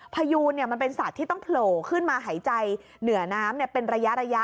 พยูนมันเป็นสัตว์ที่ต้องโผล่ขึ้นมาหายใจเหนือน้ำเป็นระยะ